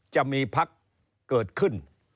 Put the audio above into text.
จะมีพักเกิดขึ้น